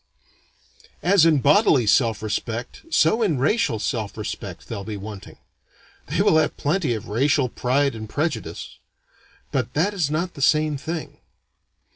As in bodily self respect, so in racial self respect, they'll be wanting. They will have plenty of racial pride and prejudice, but that is not the same thing.